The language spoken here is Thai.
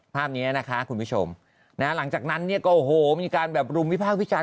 ภาพนี้นะคะคุณผู้ชมหลังจากนั้นเนี่ยก็โอ้โหมีการแบบรุมวิพากษ์วิจารณ